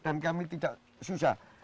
dan kami tidak susah